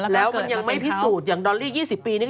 แล้วมันยังไม่พิสูจน์อย่างดอลลี่๒๐ปีนี่